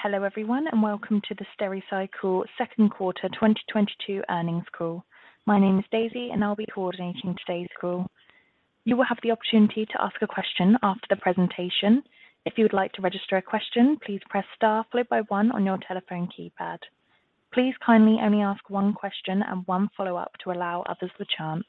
Hello, everyone, and welcome to the Stericycle second quarter 2022 earnings call. My name is Daisy, and I'll be coordinating today's call. You will have the opportunity to ask a question after the presentation. If you would like to register a question, please press star followed by one on your telephone keypad. Please kindly only ask one question and one follow-up to allow others the chance.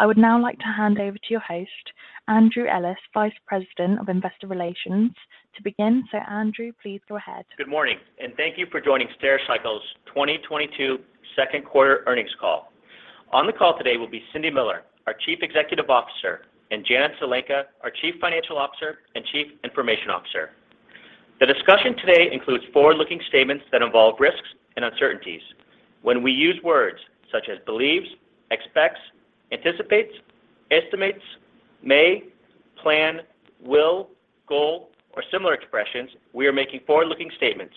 I would now like to hand over to your host, Andrew Ellis, Vice President of Investor Relations to begin. Andrew, please go ahead. Good morning, and thank you for joining Stericycle's 2022 second quarter earnings call. On the call today will be Cindy Miller, our Chief Executive Officer, and Janet Zelenka, our Chief Financial Officer and Chief Information Officer. The discussion today includes forward-looking statements that involve risks and uncertainties. When we use words such as believes, expects, anticipates, estimates, may, plan, will, goal, or similar expressions, we are making forward-looking statements.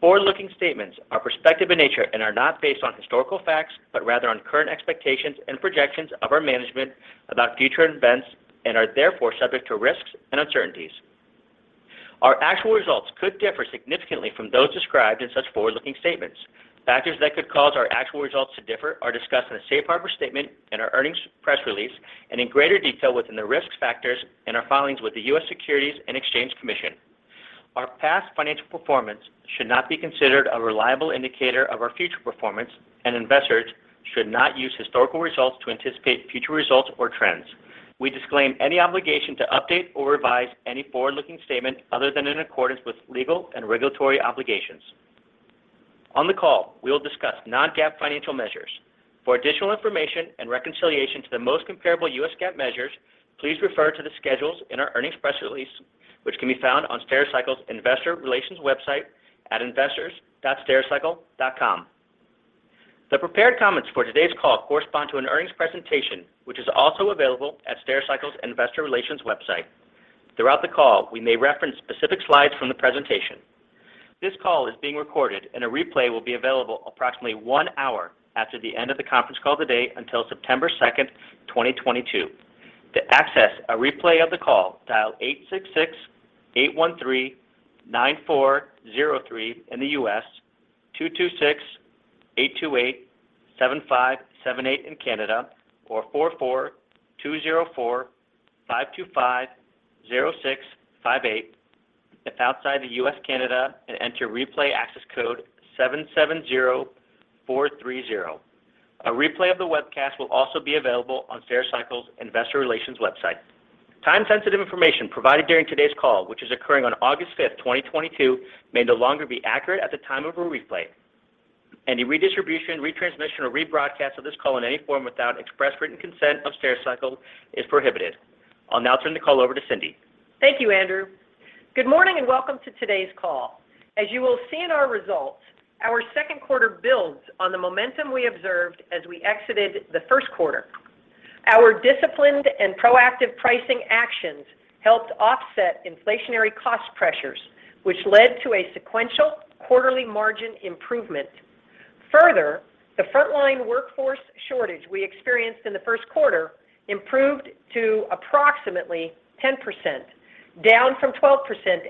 Forward-looking statements are prospective in nature and are not based on historical facts, but rather on current expectations and projections of our management about future events and are therefore subject to risks and uncertainties. Our actual results could differ significantly from those described in such forward-looking statements. Factors that could cause our actual results to differ are discussed in a safe harbor statement in our earnings press release and in greater detail within the risk factors in our filings with the U.S. Securities and Exchange Commission. Our past financial performance should not be considered a reliable indicator of our future performance, and investors should not use historical results to anticipate future results or trends. We disclaim any obligation to update or revise any forward-looking statement other than in accordance with legal and regulatory obligations. On the call, we will discuss non-GAAP financial measures. For additional information and reconciliation to the most comparable U.S. GAAP measures, please refer to the schedules in our earnings press release, which can be found on Stericycle's Investor Relations website at investors.stericycle.com. The prepared comments for today's call correspond to an earnings presentation, which is also available at Stericycle's Investor Relations website. Throughout the call, we may reference specific slides from the presentation. This call is being recorded, and a replay will be available approximately one hour after the end of the conference call today until September 2, 2022. To access a replay of the call, dial 866-813-9403 in the U.S., 226-828-7578 in Canada, or 442-045-250658 if outside the U.S., Canada, and enter replay access code 770430. A replay of the webcast will also be available on Stericycle's Investor Relations website. Time-sensitive information provided during today's call, which is occurring on August 15, 2022 may no longer be accurate at the time of a replay. Any redistribution, retransmission, or rebroadcast of this call in any form without express written consent of Stericycle is prohibited. I'll now turn the call over to Cindy. Thank you, Andrew. Good morning and welcome to today's call. As you will see in our results, our second quarter builds on the momentum we observed as we exited the first quarter. Our disciplined and proactive pricing actions helped offset inflationary cost pressures, which led to a sequential quarterly margin improvement. Further, the frontline workforce shortage we experienced in the first quarter improved to approximately 10%, down from 12%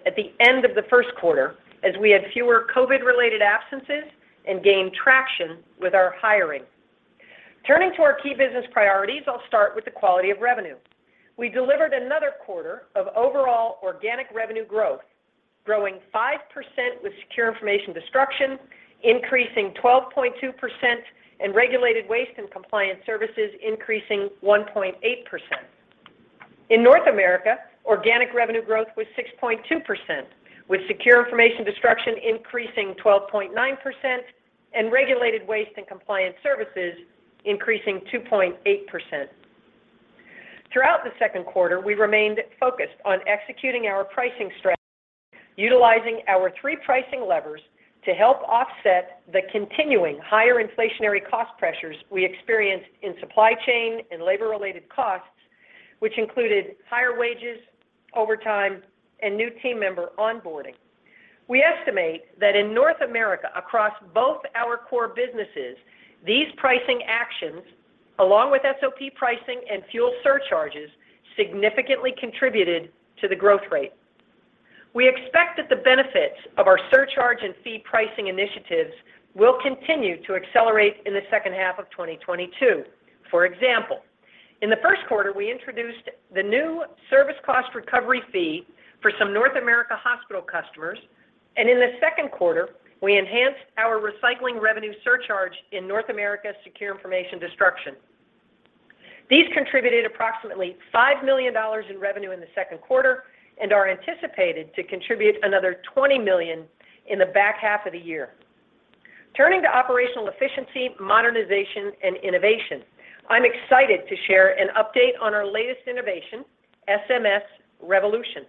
at the end of the first quarter as we had fewer COVID-related absences and gained traction with our hiring. Turning to our key business priorities, I'll start with the quality of revenue. We delivered another quarter of overall organic revenue growth, growing 5% with Secure Information Destruction increasing 12.2% and Regulated Waste and Compliance Services increasing 1.8%. In North America, organic revenue growth was 6.2%, with Secure Information Destruction increasing 12.9% and Regulated Waste and Compliance Services increasing 2.8%. Throughout the second quarter, we remained focused on executing our pricing strategy, utilizing our three pricing levers to help offset the continuing higher inflationary cost pressures we experienced in supply chain and labor-related costs, which included higher wages, overtime, and new team member onboarding. We estimate that in North America across both our core businesses, these pricing actions, along with SOP pricing and fuel surcharges, significantly contributed to the growth rate. We expect that the benefits of our surcharge and fee pricing initiatives will continue to accelerate in the second half of 2022. For example, in the first quarter, we introduced the new service cost recovery fee for some North America hospital customers, and in the second quarter, we enhanced our recycling revenue surcharge in North America Secure Information Destruction. These contributed approximately $5 million in revenue in the second quarter and are anticipated to contribute another $20 million in the back half of the year. Turning to operational efficiency, modernization, and innovation, I'm excited to share an update on our latest innovation, SMS Revolution.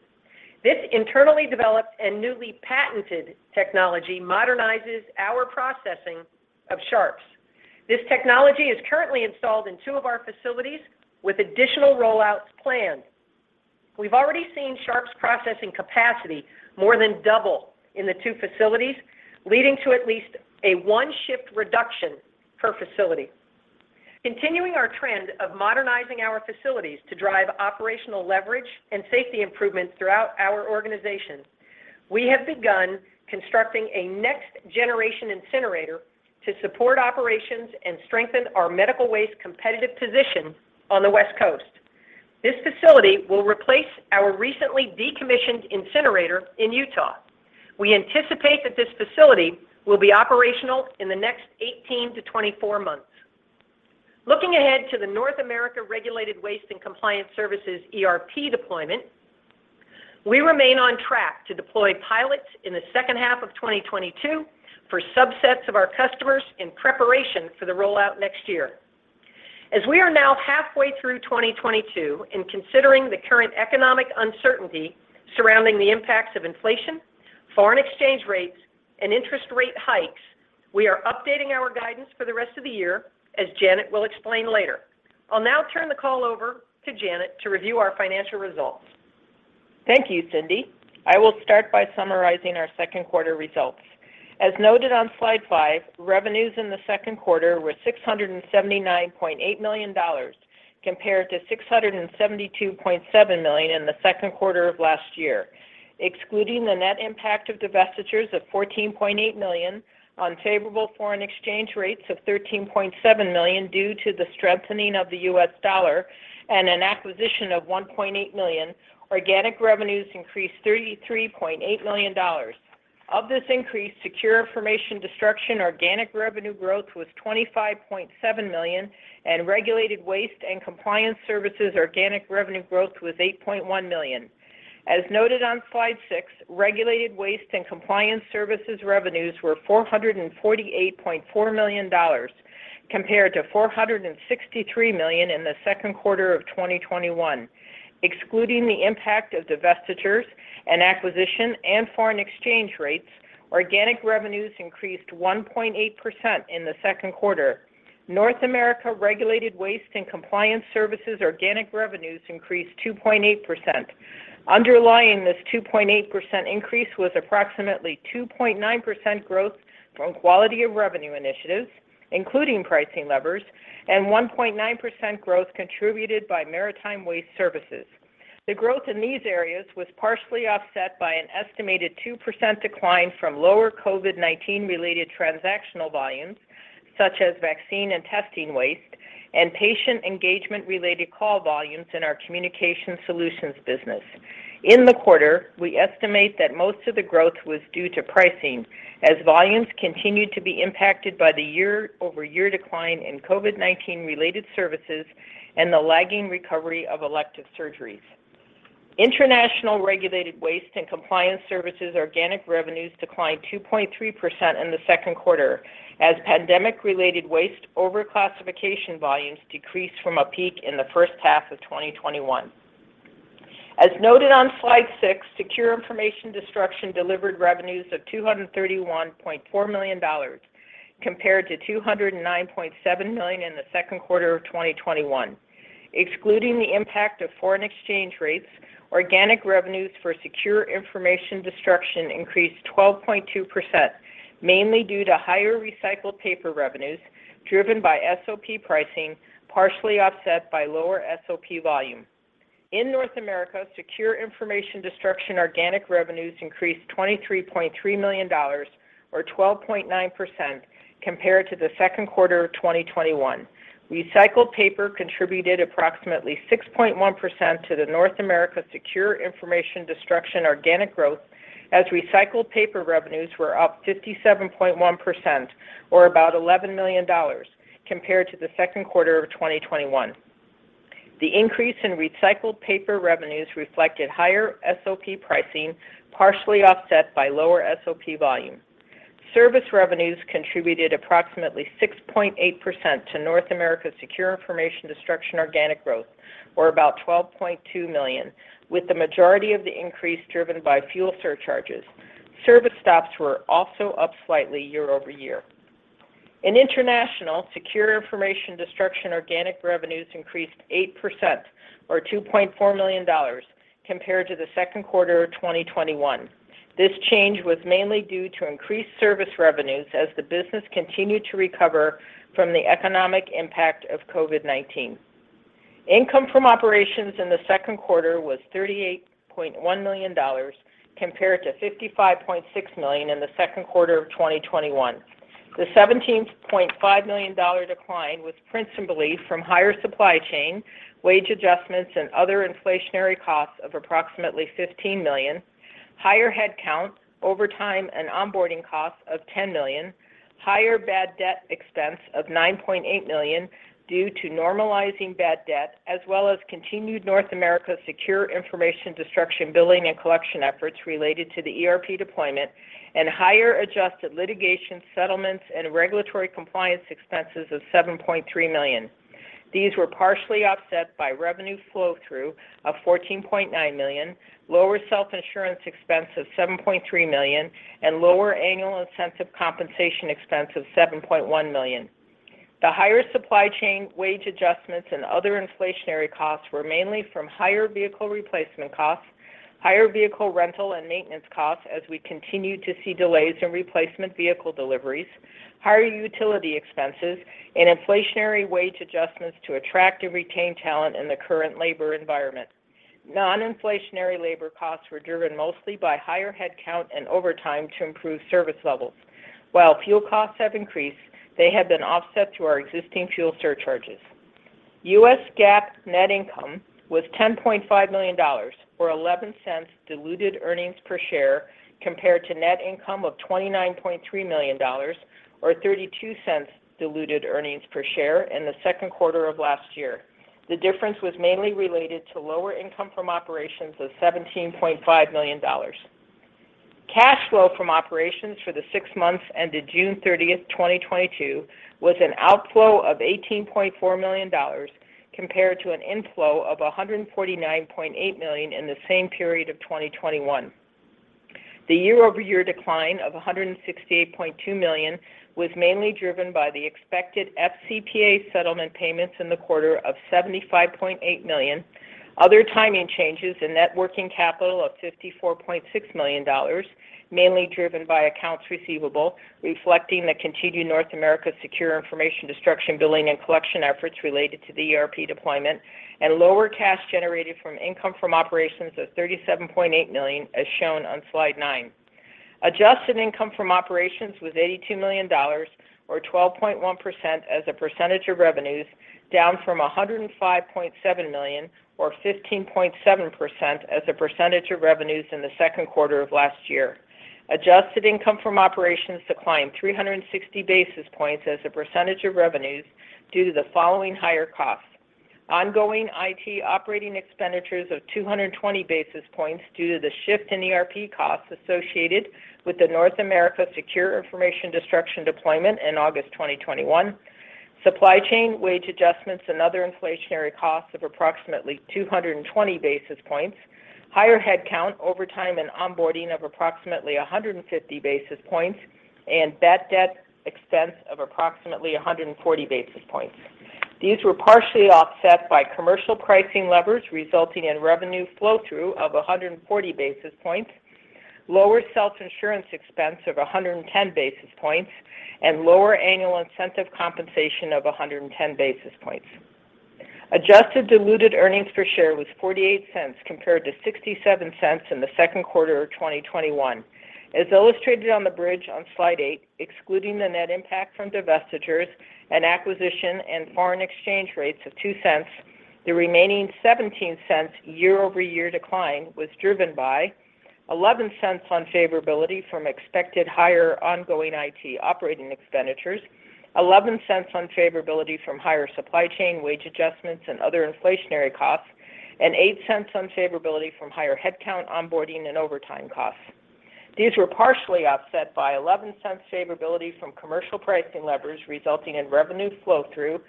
This internally developed and newly patented technology modernizes our processing of sharps. This technology is currently installed in two of our facilities with additional rollouts planned. We've already seen sharps processing capacity more than double in the two facilities, leading to at least a one-shift reduction per facility. Continuing our trend of modernizing our facilities to drive operational leverage and safety improvements throughout our organization, we have begun constructing a next-generation incinerator to support operations and strengthen our medical waste competitive position on the West Coast. This facility will replace our recently decommissioned incinerator in Utah. We anticipate that this facility will be operational in the next 18-24 months. Looking ahead to the North America Regulated Waste and Compliance Services ERP deployment, we remain on track to deploy pilots in the second half of 2022 for subsets of our customers in preparation for the rollout next year. As we are now halfway through 2022 and considering the current economic uncertainty surrounding the impacts of inflation, foreign exchange rates, and interest rate hikes, we are updating our guidance for the rest of the year, as Janet will explain later. I'll now turn the call over to Janet to review our financial results. Thank you, Cindy. I will start by summarizing our second quarter results. As noted on slide five, revenues in the second quarter were $679.8 million compared to $672.7 million in the second quarter of last year. Excluding the net impact of divestitures of $14.8 million, unfavorable foreign exchange rates of $13.7 million due to the strengthening of the U.S. dollar, and an acquisition of $1.8 million, organic revenues increased $33.8 million. Of this increase, Secure Information Destruction organic revenue growth was $25.7 million, and Regulated Waste and Compliance Services organic revenue growth was $8.1 million. As noted on slide six, Regulated Waste and Compliance Services revenues were $448.4 million compared to $463 million in the second quarter of 2021. Excluding the impact of divestitures and acquisition and foreign exchange rates, organic revenues increased 1.8% in the second quarter. North America Regulated Waste and Compliance Services organic revenues increased 2.8%. Underlying this 2.8% increase was approximately 2.9% growth from quality of revenue initiatives, including pricing levers, and 1.9% growth contributed by Maritime Waste Services. The growth in these areas was partially offset by an estimated 2% decline from lower COVID-19 related transactional volumes, such as vaccine and testing waste, and patient engagement-related call volumes in our Communication Solutions business. In the quarter, we estimate that most of the growth was due to pricing as volumes continued to be impacted by the year-over-year decline in COVID-19 related services and the lagging recovery of elective surgeries. International Regulated Waste and Compliance Services organic revenues declined 2.3% in the second quarter as pandemic-related waste overclassification volumes decreased from a peak in the first half of 2021. As noted on slide six, Secure Information Destruction delivered revenues of $231.4 million compared to $209.7 million in the second quarter of 2021. Excluding the impact of foreign exchange rates, organic revenues for Secure Information Destruction increased 12.2%, mainly due to higher recycled paper revenues, driven by SOP pricing, partially offset by lower SOP volume. In North America, Secure Information Destruction organic revenues increased $23.3 million or 12.9% compared to the second quarter of 2021. Recycled paper contributed approximately 6.1% to the North America Secure Information Destruction organic growth as recycled paper revenues were up 57.1% or about $11 million compared to the second quarter of 2021. The increase in recycled paper revenues reflected higher SOP pricing, partially offset by lower SOP volume. Service revenues contributed approximately 6.8% to North America Secure Information Destruction organic growth, or about $12.2 million, with the majority of the increase driven by fuel surcharges. Service stops were also up slightly year-over-year. In International, Secure Information Destruction organic revenues increased 8% or $2.4 million compared to the second quarter of 2021. This change was mainly due to increased service revenues as the business continued to recover from the economic impact of COVID-19. Income from operations in the second quarter was $38.1 million compared to $55.6 million in the second quarter of 2021. The $17.5 million decline was principally from higher supply chain wage adjustments and other inflationary costs of approximately $15 million, higher headcount over time and onboarding costs of $10 million, higher bad debt expense of $9.8 million due to normalizing bad debt, as well as continued North American Secure Information Destruction billing and collection efforts related to the ERP deployment and higher adjusted litigation settlements and regulatory compliance expenses of $7.3 million. These were partially offset by revenue flow-through of $14.9 million, lower self-insurance expense of $7.3 million, and lower annual incentive compensation expense of $7.1 million. The higher supply chain wage adjustments and other inflationary costs were mainly from higher vehicle replacement costs, higher vehicle rental and maintenance costs as we continue to see delays in replacement vehicle deliveries, higher utility expenses, and inflationary wage adjustments to attract and retain talent in the current labor environment. Non-inflationary labor costs were driven mostly by higher headcount and overtime to improve service levels. While fuel costs have increased, they have been offset through our existing fuel surcharges. U.S. GAAP net income was $10.5 million, or $0.11 diluted earnings per share compared to net income of $29.3 million or $0.32 diluted earnings per share in the second quarter of last year. The difference was mainly related to lower income from operations of $17.5 million. Cash flow from operations for the six months ended June 30, 2022 was an outflow of $18.4 million compared to an inflow of $149.8 million in the same period of 2021. The year-over-year decline of $168.2 million was mainly driven by the expected FCPA settlement payments in the quarter of $75.8 million. Other timing changes in net working capital of $54.6 million, mainly driven by accounts receivable, reflecting the continued North America Secure Information Destruction billing and collection efforts related to the ERP deployment, and lower cash generated from income from operations of $37.8 million, as shown on slide nine. Adjusted income from operations was $82 million or 12.1% as a percentage of revenues, down from $105.7 million or 15.7% as a percentage of revenues in the second quarter of last year. Adjusted income from operations declined 360 basis points as a percentage of revenues due to the following higher costs. Ongoing IT operating expenditures of 220 basis points due to the shift in ERP costs associated with the North America Secure Information Destruction deployment in August 2021. Supply chain wage adjustments and other inflationary costs of approximately 220 basis points. Higher headcount overtime and onboarding of approximately 150 basis points, and bad debt expense of approximately 140 basis points. These were partially offset by commercial pricing leverage, resulting in revenue flow-through of 140 basis points, lower self-insurance expense of 110 basis points, and lower annual incentive compensation of 110 basis points. Adjusted diluted earnings per share was $0.48 compared to $0.67 in the second quarter of 2021. As illustrated on the bridge on slide eight, excluding the net impact from divestitures and acquisition and foreign exchange rates of $0.02, the remaining $0.17 year-over-year decline was driven by $0.11 unfavorability from expected higher ongoing IT operating expenditures, $0.11 unfavorability from higher supply chain wage adjustments and other inflationary costs, and $0.08 unfavorability from higher headcount onboarding and overtime costs. These were partially offset by $0.11 favorability from commercial pricing leverage resulting in revenue flow-through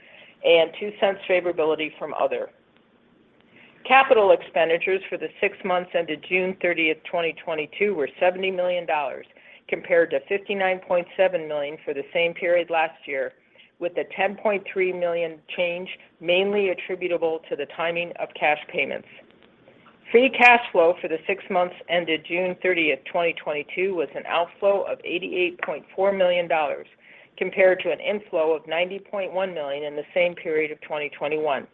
and $0.02 favorability from other. Capital expenditures for the six months ended June 30, 2022 were $70 million compared to $59.7 million for the same period last year, with the $10.3 million change mainly attributable to the timing of cash payments. Free cash flow for the six months ended June 30, 2022 was an outflow of $88.4 million compared to an inflow of $90.1 million in the same period of 2021.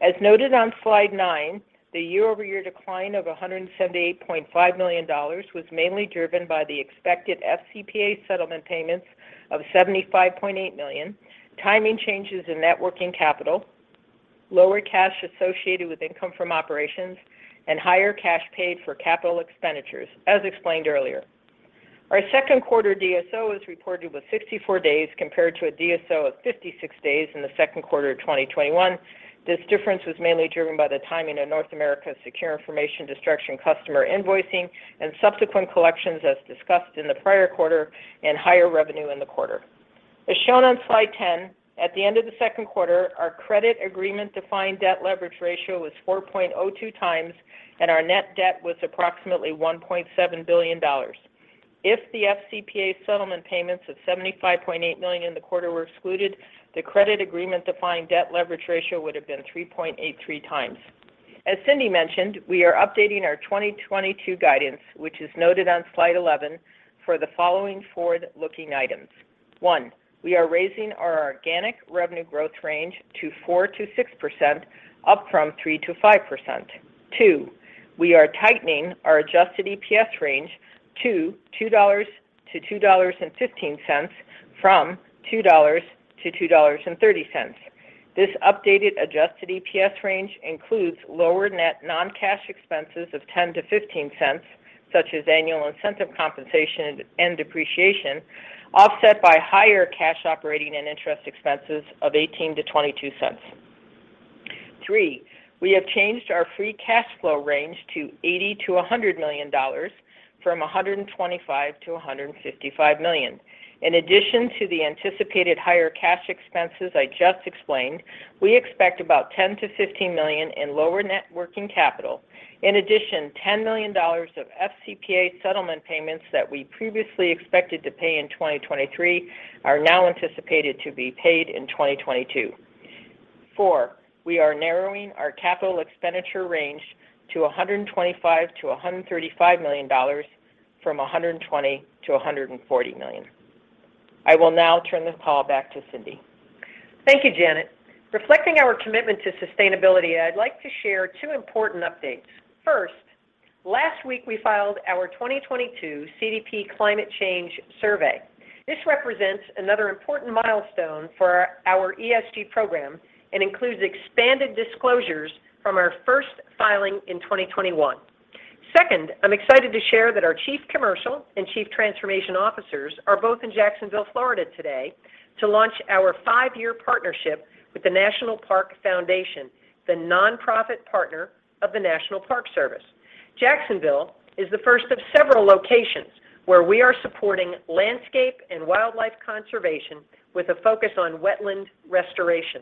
As noted on slide nine, the year-over-year decline of $178.5 million was mainly driven by the expected FCPA settlement payments of $75.8 million, timing changes in net working capital, lower cash associated with income from operations, and higher cash paid for capital expenditures, as explained earlier. Our second quarter DSO as reported was 64 days compared to a DSO of 56 days in the second quarter of 2021. This difference was mainly driven by the timing of North America's Secure Information Destruction customer invoicing and subsequent collections, as discussed in the prior quarter, and higher revenue in the quarter. As shown on slide 10, at the end of the second quarter, our credit agreement defined debt leverage ratio was 4.02x, and our net debt was approximately $1.7 billion. If the FCPA settlement payments of $75.8 million in the quarter were excluded, the credit agreement defined debt leverage ratio would have been 3.83x. As Cindy mentioned, we are updating our 2022 guidance, which is noted on slide 11 for the following forward-looking items. One, we are raising our organic revenue growth range to 4%-6%, up from 3%-5%. Two, we are tightening our adjusted EPS range to $2-$2.15 from $2-$2.30. This updated adjusted EPS range includes lower net non-cash expenses of $0.10-$0.15, such as annual incentive compensation and depreciation, offset by higher cash operating and interest expenses of $0.18-$0.22. Three, we have changed our free cash flow range to $80 million-$100 million from $125 million-$155 million. In addition to the anticipated higher cash expenses I just explained, we expect about $10 million-$15 million in lower net working capital. In addition, $10 million of FCPA settlement payments that we previously expected to pay in 2023 are now anticipated to be paid in 2022. Fourth, we are narrowing our capital expenditure range to $125 million-$135 million from $120 million-$140 million. I will now turn the call back to Cindy. Thank you, Janet. Reflecting our commitment to sustainability, I'd like to share two important updates. First, last week, we filed our 2022 CDP Climate Change Survey. This represents another important milestone for our ESG program and includes expanded disclosures from our first filing in 2021. Second, I'm excited to share that our chief commercial and chief transformation officers are both in Jacksonville, Florida today to launch our five-year partnership with the National Park Foundation, the nonprofit partner of the National Park Service. Jacksonville is the first of several locations where we are supporting landscape and wildlife conservation with a focus on wetland restoration.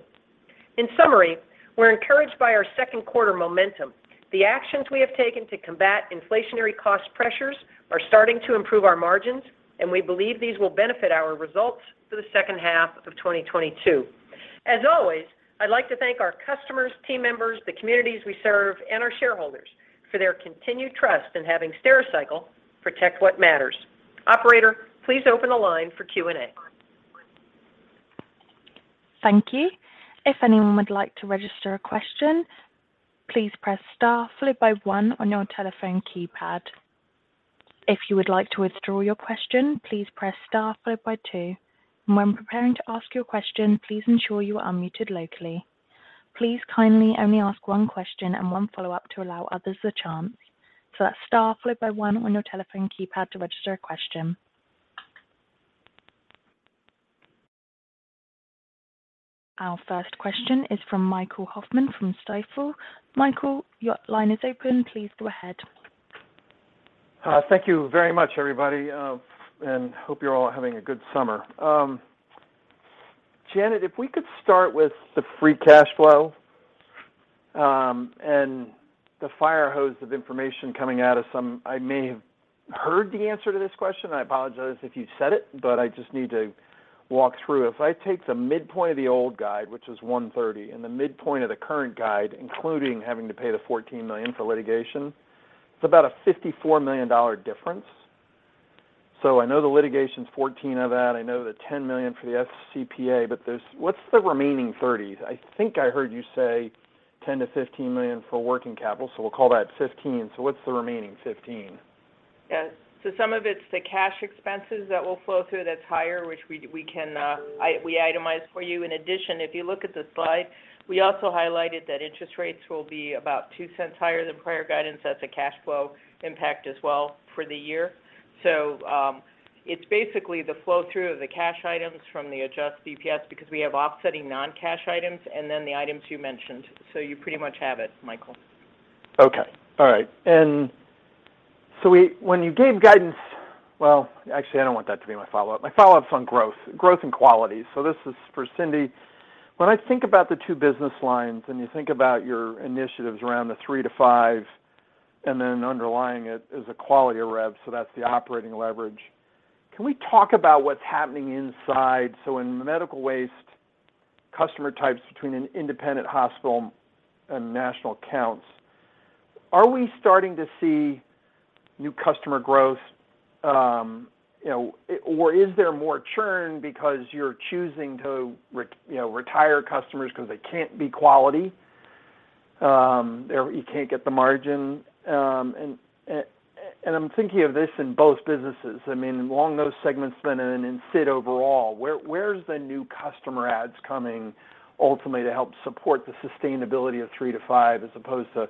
In summary, we're encouraged by our second quarter momentum. The actions we have taken to combat inflationary cost pressures are starting to improve our margins, and we believe these will benefit our results for the second half of 2022. As always, I'd like to thank our customers, team members, the communities we serve, and our shareholders for their continued trust in having Stericycle protect what matters. Operator, please open the line for Q&A. Thank you. If anyone would like to register a question, please press star followed by one on your telephone keypad. If you would like to withdraw your question, please press star followed by two. When preparing to ask your question, please ensure you are unmuted locally. Please kindly only ask one question and one follow-up to allow others the chance. That's star followed by one on your telephone keypad to register a question. Our first question is from Michael Hoffman from Stifel. Michael, your line is open. Please go ahead. Thank you very much, everybody, and hope you're all having a good summer. Janet, if we could start with the free cash flow, and the fire hose of information coming out of some. I may have heard the answer to this question. I apologize if you said it, but I just need to walk through. If I take the midpoint of the old guide, which is $130 million, and the midpoint of the current guide, including having to pay the $14 million for litigation, it's about a $54 million difference. I know the litigation is $14 million of that. I know the $10 million for the FCPA, but what's the remaining $30 million? I think I heard you say $10 million-$15 million for working capital, so we'll call that $15 million. What's the remaining $15 million? Yes. Some of it's the cash expenses that will flow through that's higher, which we can itemize for you. In addition, if you look at the slide, we also highlighted that interest rates will be about $0.02 higher than prior guidance. That's a cash flow impact as well for the year. It's basically the flow-through of the cash items from the adjusted EPS because we have offsetting non-cash items and then the items you mentioned. You pretty much have it, Michael. Well, actually, I don't want that to be my follow-up. My follow-up's on growth and quality. This is for Cindy. When I think about the two business lines and you think about your initiatives around the three to five, and then underlying it is the quality of rev, so that's the operating leverage. Can we talk about what's happening inside? In the medical waste customer types between an independent hospital and national accounts, are we starting to see new customer growth, you know, or is there more churn because you're choosing to you know, retire customers 'cause they can't be quality, or you can't get the margin? And I'm thinking of this in both businesses. I mean, along those segments then and in SID overall, where's the new customer adds coming ultimately to help support the sustainability of 3%-5% as opposed to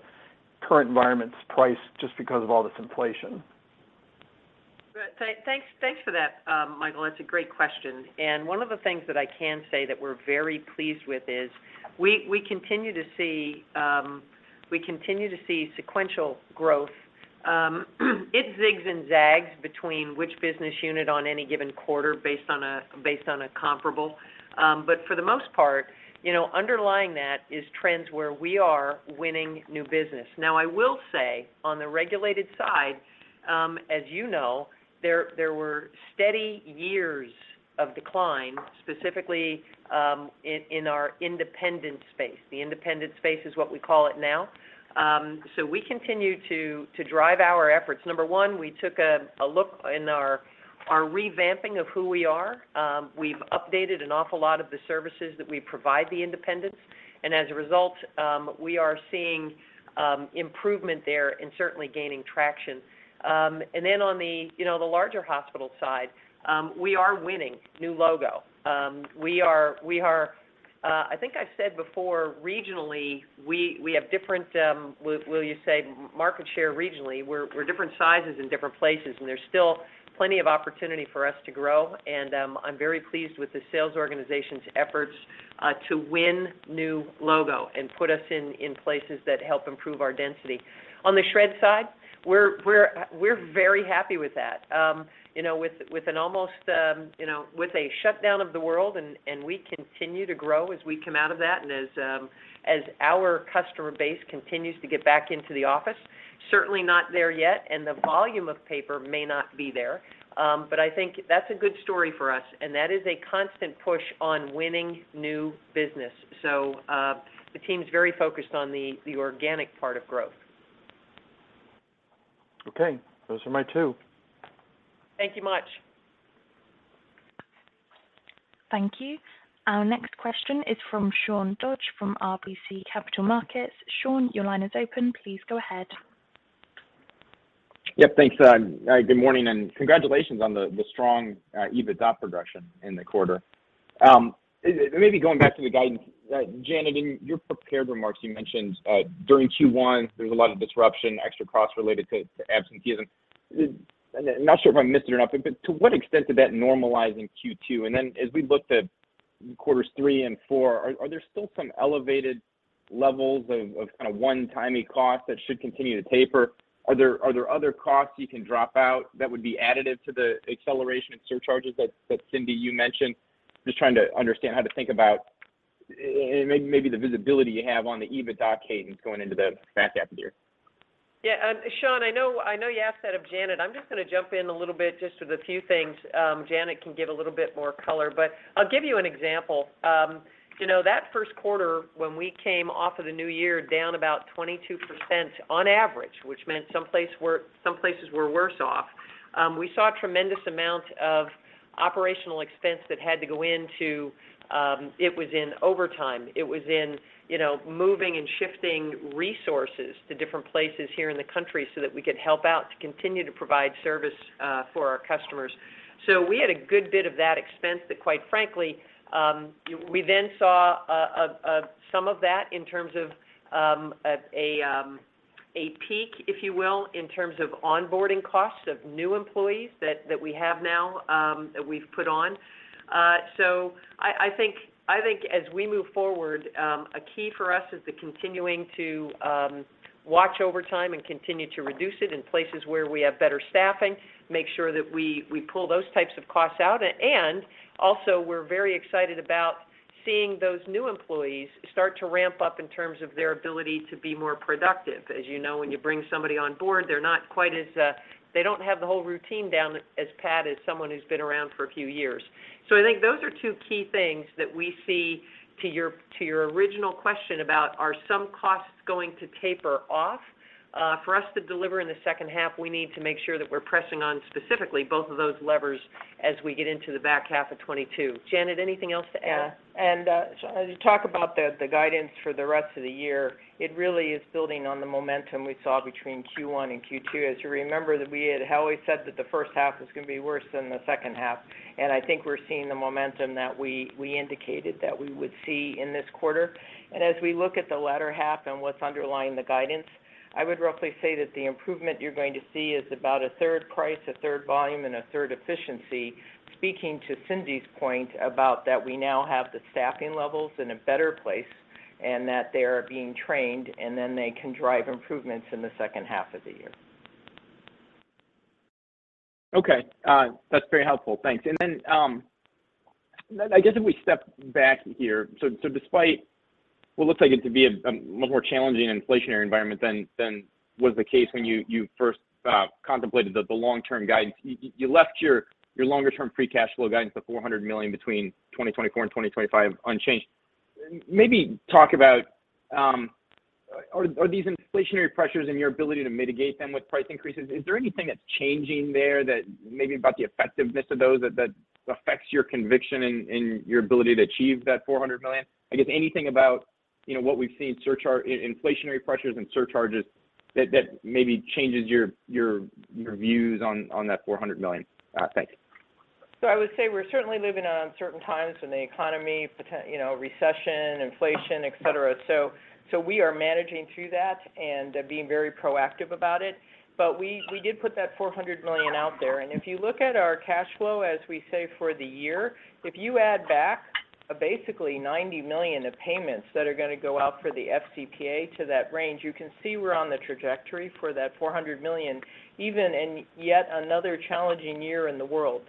current environments priced just because of all this inflation? Good. Thanks for that, Michael. That's a great question. One of the things that I can say that we're very pleased with is we continue to see sequential growth. It zigs and zags between which business unit on any given quarter based on a comparable. For the most part, you know, underlying that is trends where we are winning new business. Now, I will say on the regulated side, as you know, there were steady years of decline, specifically, in our independent space. The independent space is what we call it now. We continue to drive our efforts. Number one, we took a look in our revamping of who we are. We've updated an awful lot of the services that we provide the independents, and as a result, we are seeing improvement there and certainly gaining traction. You know, on the larger hospital side, we are winning new logo. I think I said before, regionally, we have different market share regionally. We're different sizes in different places, and there's still plenty of opportunity for us to grow. I'm very pleased with the sales organization's efforts to win new logo and put us in places that help improve our density. On the shred side, we're very happy with that, you know, with an almost shutdown of the world and we continue to grow as we come out of that and as our customer base continues to get back into the office, certainly not there yet, and the volume of paper may not be there, but I think that's a good story for us, and that is a constant push on winning new business. The team is very focused on the organic part of growth. Okay. Those are my two. Thank you much. Thank you. Our next question is from Sean Dodge from RBC Capital Markets. Sean, your line is open. Please go ahead. Yep. Thanks, good morning and congratulations on the strong EBITDA progression in the quarter. Maybe going back to the guidance, Janet, in your prepared remarks, you mentioned during Q1, there was a lot of disruption, extra costs related to absenteeism. I'm not sure if I missed it or not, but to what extent did that normalize in Q2? As we look to quarters three and four, are there still some elevated levels of kinda one-timey costs that should continue to taper? Are there other costs you can drop out that would be additive to the acceleration in surcharges that Cindy, you mentioned? Just trying to understand how to think about and maybe the visibility you have on the EBITDA cadence going into the back half of the year. Yeah. Sean, I know you asked that of Janet. I'm just gonna jump in a little bit just with a few things. Janet can give a little bit more color. I'll give you an example. You know, that first quarter, when we came off of the new year down about 22% on average, which meant some places were worse off, we saw a tremendous amount of operational expense that had to go into. It was in overtime. It was in, you know, moving and shifting resources to different places here in the country so that we could help out to continue to provide service for our customers. We had a good bit of that expense that, quite frankly, we then saw some of that in terms of a peak, if you will, in terms of onboarding costs of new employees that we have now that we've put on. I think as we move forward, a key for us is continuing to watch overtime and continue to reduce it in places where we have better staffing, make sure that we pull those types of costs out. Also, we're very excited about seeing those new employees start to ramp up in terms of their ability to be more productive. As you know, when you bring somebody on board, they're not quite as they don't have the whole routine down as pat as someone who's been around for a few years. I think those are two key things that we see to your original question about, are some costs going to taper off? For us to deliver in the second half, we need to make sure that we're pressing on specifically both of those levers as we get into the back half of 2022. Janet, anything else to add? Yeah. As you talk about the guidance for the rest of the year, it really is building on the momentum we saw between Q1 and Q2. As you remember, that we had always said that the first half was gonna be worse than the second half, and I think we're seeing the momentum that we indicated that we would see in this quarter. As we look at the latter half and what's underlying the guidance, I would roughly say that the improvement you're going to see is about a third price, a third volume, and a third efficiency, speaking to Cindy's point about that we now have the staffing levels in a better place and that they are being trained, and then they can drive improvements in the second half of the year. Okay. That's very helpful. Thanks. I guess if we step back here, so despite what looks like it to be a much more challenging inflationary environment than was the case when you first contemplated the long-term guidance, you left your longer term free cash flow guidance of $400 million between 2024 and 2025 unchanged. Maybe talk about, are these inflationary pressures and your ability to mitigate them with price increases, is there anything that's changing there that maybe about the effectiveness of those that affects your conviction in your ability to achieve that $400 million? I guess anything about, you know, what we've seen in inflationary pressures and surcharges that maybe changes your views on that $400 million. Thanks. I would say we're certainly living in uncertain times in the economy, you know, recession, inflation, et cetera. We are managing through that and being very proactive about it. We did put that $400 million out there. If you look at our cash flow, as we say for the year, if you add back basically $90 million of payments that are gonna go out for the FCPA to that range, you can see we're on the trajectory for that $400 million, even in yet another challenging year in the world.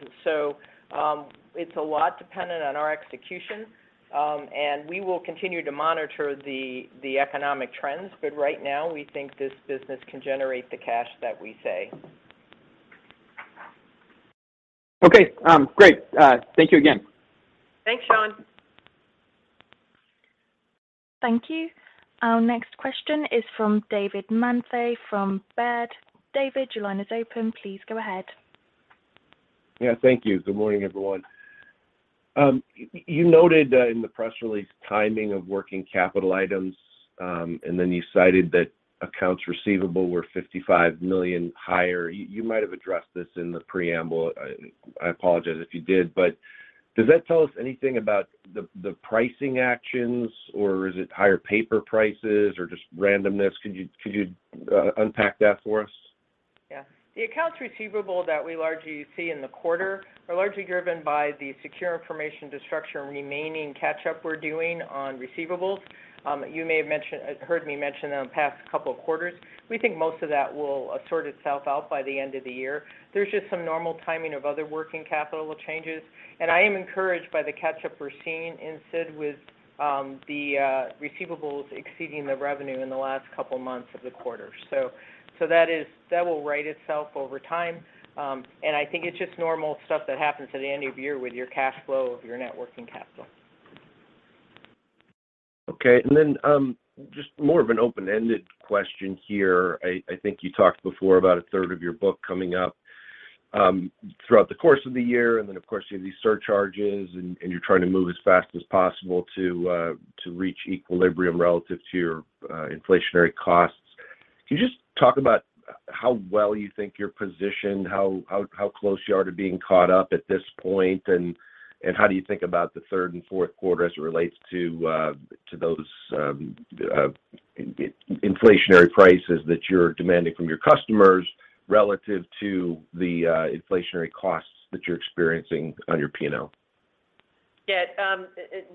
It's a lot dependent on our execution, and we will continue to monitor the economic trends. Right now, we think this business can generate the cash that we say. Okay. Great. Thank you again. Thanks, Sean. Thank you. Our next question is from David Manthey from Baird. David, your line is open. Please go ahead. Yeah, thank you. Good morning, everyone. You noted in the press release timing of working capital items, and then you cited that accounts receivable were $55 million higher. You might have addressed this in the preamble. I apologize if you did. Does that tell us anything about the pricing actions, or is it higher paper prices or just randomness? Could you unpack that for us? Yeah. The accounts receivable that we largely see in the quarter are largely driven by the Secure Information Destruction remaining catch-up we're doing on receivables. You may have heard me mention in the past couple of quarters. We think most of that will sort itself out by the end of the year. There's just some normal timing of other working capital changes. I am encouraged by the catch-up we're seeing in SID with the receivables exceeding the revenue in the last couple of months of the quarter. So that will right itself over time. I think it's just normal stuff that happens at the end of year with your cash flow of your net working capital. Okay. Just more of an open-ended question here. I think you talked before about a third of your book coming up throughout the course of the year, and then of course, you have these surcharges and you're trying to move as fast as possible to reach equilibrium relative to your inflationary costs. Can you just talk about how well you think you're positioned, how close you are to being caught up at this point, and how do you think about the third and fourth quarter as it relates to those inflationary prices that you're demanding from your customers relative to the inflationary costs that you're experiencing on your P&L? Yeah.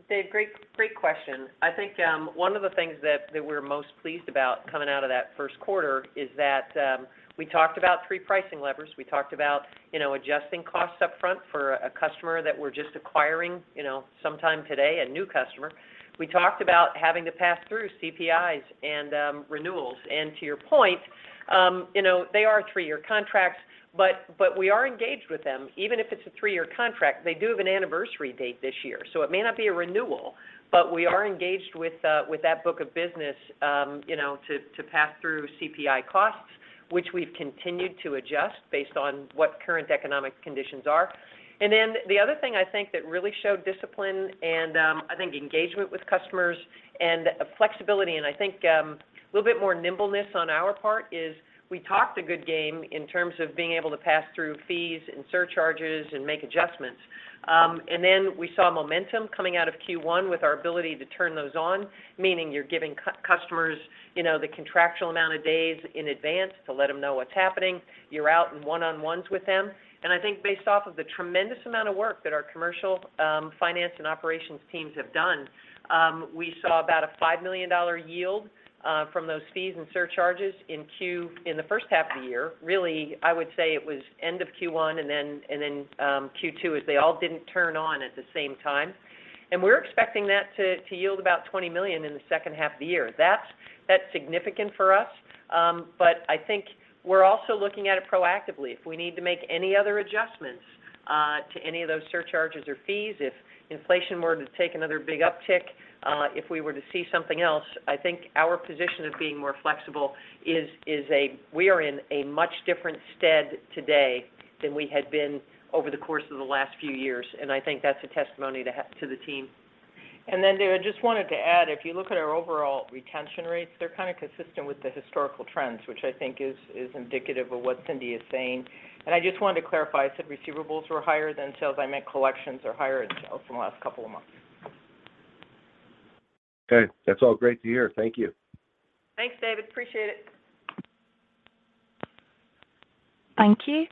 Dave, great question. I think, one of the things that we're most pleased about coming out of that first quarter is that, we talked about three pricing levers. We talked about, you know, adjusting costs up front for a customer that we're just acquiring, you know, sometime today, a new customer. We talked about having to pass through CPIs and, renewals. To your point, you know, they are three-year contracts, but we are engaged with them. Even if it's a three-year contract, they do have an anniversary date this year. It may not be a renewal, but we are engaged with that book of business, you know, to pass through CPI costs, which we've continued to adjust based on what current economic conditions are. The other thing I think that really showed discipline and I think engagement with customers and flexibility, and I think a little bit more nimbleness on our part is we talked a good game in terms of being able to pass through fees and surcharges and make adjustments. We saw momentum coming out of Q1 with our ability to turn those on, meaning you're giving customers, you know, the contractual amount of days in advance to let them know what's happening. You're out in one-on-ones with them. I think based off of the tremendous amount of work that our commercial, finance and operations teams have done, we saw about a $5 million yield from those fees and surcharges in the first half of the year. Really, I would say it was end of Q1 and then Q2, as they all didn't turn on at the same time. We're expecting that to yield about $20 million in the second half of the year. That's significant for us. I think we're also looking at it proactively. If we need to make any other adjustments to any of those surcharges or fees, if inflation were to take another big uptick, if we were to see something else, I think our position of being more flexible we are in a much different stead today than we had been over the course of the last few years, and I think that's a testimony to the team. Dave, I just wanted to add, if you look at our overall retention rates, they're kind of consistent with the historical trends, which I think is indicative of what Cindy is saying. I just wanted to clarify, I said receivables were higher than sales. I meant collections are higher than sales in the last couple of months. Okay. That's all great to hear. Thank you. Thanks, David. Appreciate it. Thank you.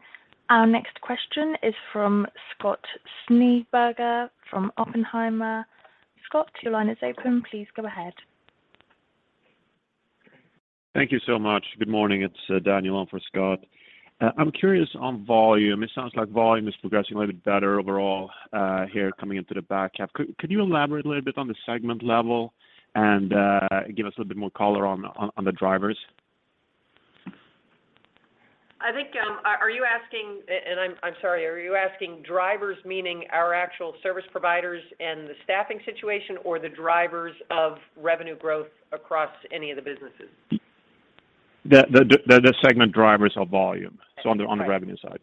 Our next question is from Scott Schneeberger from Oppenheimer. Scott, your line is open. Please go ahead. Thank you so much. Good morning. It's Daniel on for Scott. I'm curious on volume. It sounds like volume is progressing a little bit better overall here coming into the back half. Could you elaborate a little bit on the segment level and give us a little bit more color on the drivers? I think. I'm sorry, are you asking drivers, meaning our actual service providers and the staffing situation, or the drivers of revenue growth across any of the businesses? The segment drivers of volume. Okay. on the revenue side.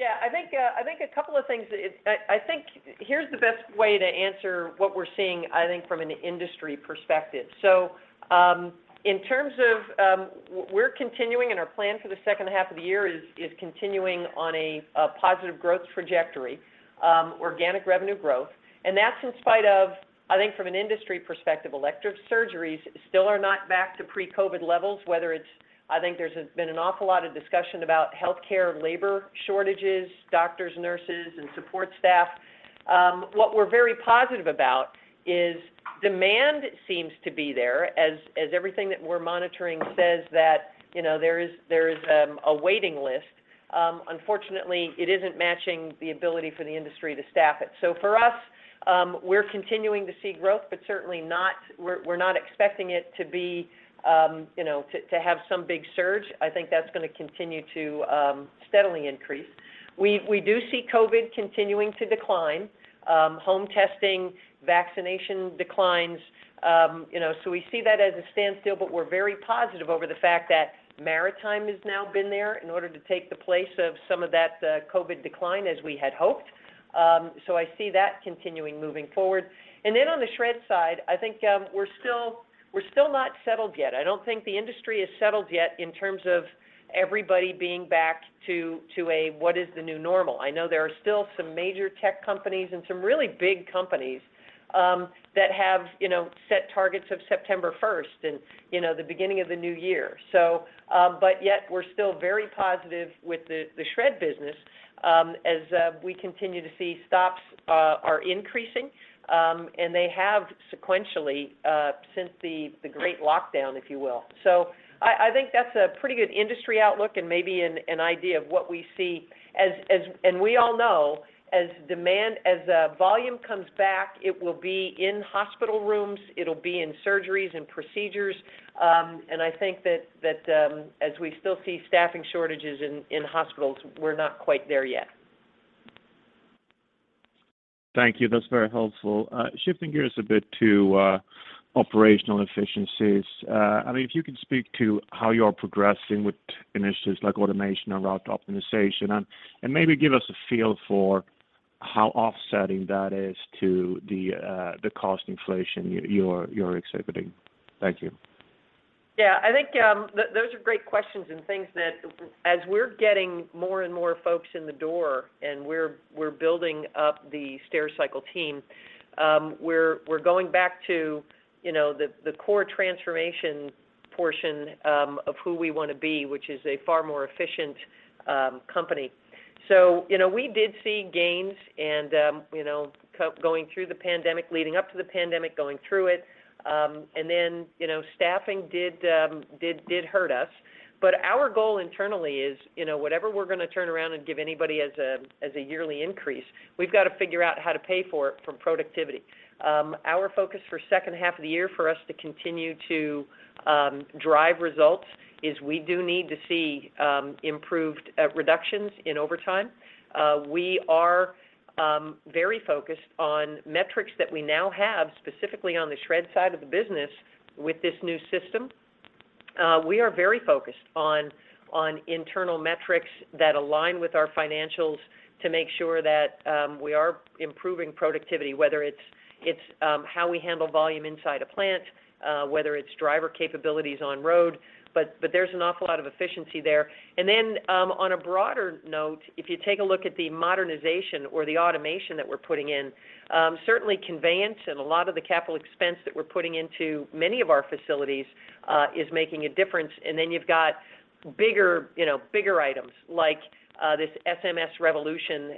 Yeah. I think a couple of things. I think here's the best way to answer what we're seeing, I think, from an industry perspective. In terms of, we're continuing and our plan for the second half of the year is continuing on a positive growth trajectory, organic revenue growth. That's in spite of, I think from an industry perspective, elective surgeries still are not back to pre-COVID levels, whether it's I think there's been an awful lot of discussion about healthcare labor shortages, doctors, nurses, and support staff. What we're very positive about is demand seems to be there as everything that we're monitoring says that, you know, there is a waiting list. Unfortunately, it isn't matching the ability for the industry to staff it. For us, we're continuing to see growth, but we're not expecting it to be, you know, to have some big surge. I think that's gonna continue to steadily increase. We do see COVID continuing to decline, home testing, vaccination declines, you know, so we see that as a standstill, but we're very positive over the fact that Maritime has now been there in order to take the place of some of that, COVID decline as we had hoped. I see that continuing moving forward. Then on the shred side, I think, we're still not settled yet. I don't think the industry is settled yet in terms of everybody being back to a, what is the new normal? I know there are still some major tech companies and some really big companies that have, you know, set targets of September first and, you know, the beginning of the new year. But yet we're still very positive with the shred business as we continue to see stops are increasing and they have sequentially since the great lockdown, if you will. I think that's a pretty good industry outlook and maybe an idea of what we see as. We all know as volume comes back, it will be in hospital rooms, it'll be in surgeries and procedures. I think that as we still see staffing shortages in hospitals, we're not quite there yet. Thank you. That's very helpful. Shifting gears a bit to operational efficiencies, I mean, if you could speak to how you are progressing with initiatives like automation and route optimization and maybe give us a feel for how offsetting that is to the cost inflation you're executing. Thank you. Yeah. I think those are great questions and things that as we're getting more and more folks in the door and we're building up the Stericycle team, we're going back to you know the core transformation portion of who we wanna be, which is a far more efficient company. You know, we did see gains and you know going through the pandemic, leading up to the pandemic, going through it. You know, staffing did hurt us. Our goal internally is you know whatever we're gonna turn around and give anybody as a yearly increase, we've gotta figure out how to pay for it from productivity. Our focus for the second half of the year for us to continue to drive results is we do need to see improved reductions in overtime. We are very focused on metrics that we now have specifically on the shred side of the business with this new system. We are very focused on internal metrics that align with our financials to make sure that we are improving productivity, whether it's how we handle volume inside a plant, whether it's driver capabilities on road, but there's an awful lot of efficiency there. On a broader note, if you take a look at the modernization or the automation that we're putting in, certainly conveyance and a lot of the capital expense that we're putting into many of our facilities is making a difference. You've got bigger, you know, bigger items like this SMS Revolution,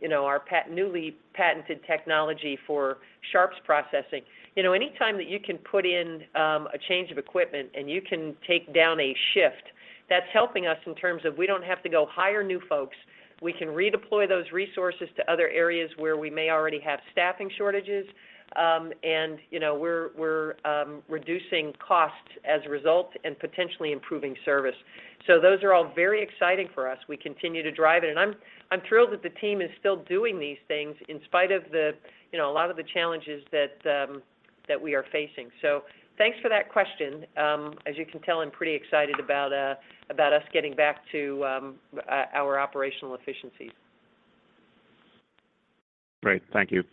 you know, our newly patented technology for sharps processing. You know, anytime that you can put in a change of equipment and you can take down a shift, that's helping us in terms of we don't have to go hire new folks. We can redeploy those resources to other areas where we may already have staffing shortages. You know, we're reducing costs as a result and potentially improving service. Those are all very exciting for us. We continue to drive it. I'm thrilled that the team is still doing these things in spite of the, you know, a lot of the challenges that we are facing. Thanks for that question. As you can tell, I'm pretty excited about us getting back to our operational efficiencies. Great. Thank you.